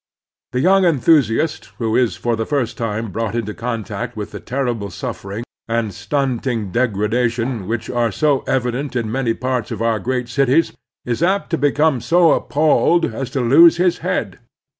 The young enthusiast who is for the first time brought into contact with the terrible suffering and stimting degradation which are so evident in many parts of our great cities is apt to become so appalled as to lose his head.